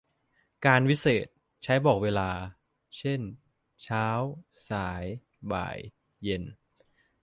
กาลวิเศษณ์ ใช้บอกเวลา เช่น เช้า สาย บ่าย เย็น